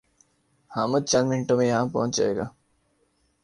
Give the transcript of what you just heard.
حامد چند منٹوں میں یہاں پہنچ جائے گا